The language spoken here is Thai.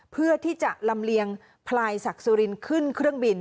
เพื่อที่จะลำเลียงพลายศักดิ์สุรินขึ้นเครื่องบิน